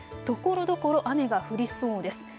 ところどころ雨が降りそうです。